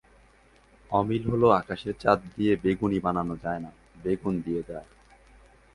অমিল হলো আকাশের চাঁদ দিয়ে বেগুনি বানানো যায় না, বেগুন দিয়ে যায়।